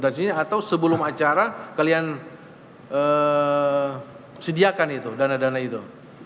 atau sebelum acara kalian sediakan itu dana dana itu